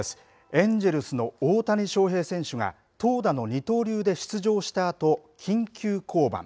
エンジェルスの大谷翔平選手が投打の二刀流で出場したあと、緊急降板。